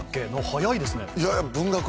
速いですね。